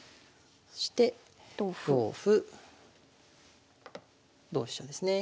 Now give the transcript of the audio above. そして同歩同飛車ですね。